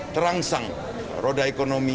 terangsang roda ekonomi